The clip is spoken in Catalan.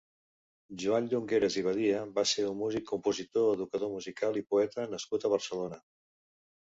Joan Llongueres i Badia va ser un músic, compositor, educador musical i poeta nascut a Barcelona.